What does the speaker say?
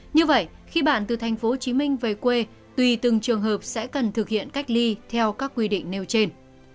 như vậy khi bạn từ tp hcm về quê tùy từng trường hợp sẽ cần thực hiện cách ly theo các quy định nêu trên